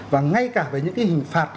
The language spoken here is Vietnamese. và ngay cả với những cái hình phạt